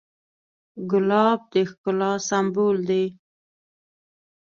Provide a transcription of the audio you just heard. ګلاب د ښکلا سمبول دی.